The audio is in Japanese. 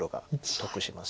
得します。